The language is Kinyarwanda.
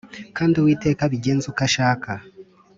Kandi Uwiteka abigenze uko ashaka.